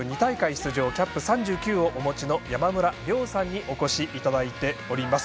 出場キャップ３９をお持ちの山村亮さんにお越しいただいております。